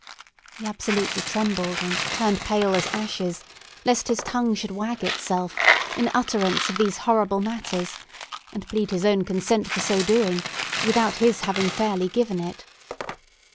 He absolutely trembled and turned pale as ashes, lest his tongue should wag itself in utterance of these horrible matters, and plead his own consent for so doing, without his having fairly given it.